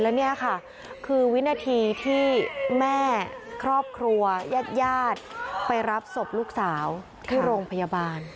และนี่ค่ะคือวินาทีที่แม่ครอบครัวยาดไปรับศพลูกสาวที่โรงพยาบาล